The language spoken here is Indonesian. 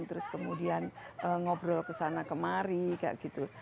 terus kemudian ngobrol ke sana kemari kayak gitu